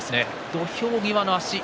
土俵際の足。